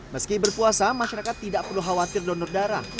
meski berpuasa masyarakat tidak perlu khawatir donor darah